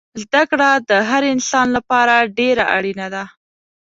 زده کړه دهر انسان لپاره دیره اړینه ده